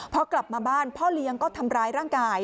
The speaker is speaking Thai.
พอกลับมาบ้านพ่อเลี้ยงก็ทำร้ายร่างกาย